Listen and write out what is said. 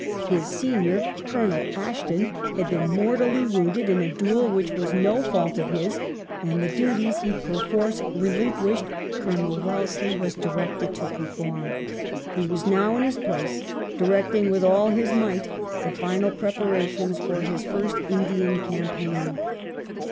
His senior, Colonel Aston, had been mortally wounded in a duel which was no fault of his, and the duties he perforce relinquished Colonel Wel lesley was directed to perform. He was now in his place, directing with all his might the final preparations for his first Indian campaign.